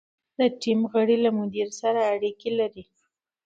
د ټیم غړي له مدیر سره اړیکې لري.